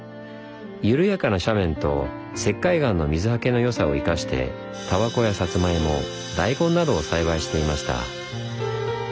緩やかな斜面と石灰岩の水はけのよさを生かしてたばこやさつまいも大根などを栽培していました。